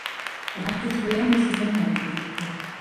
Аднак такі варыянт не задавальняе публіку.